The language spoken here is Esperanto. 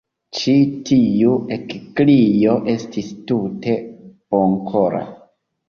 Ĉi tiu ekkrio estis tute bonkora.